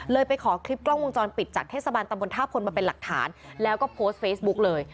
ไปขอคลิปกล้องวงจรปิดจากเทศบาลตำบลท่าพลมาเป็นหลักฐานแล้วก็โพสต์เฟซบุ๊กเลย